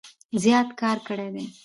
زيات کار کړي دی